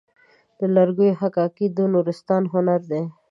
د لرګیو حکاکي د نورستان هنر دی.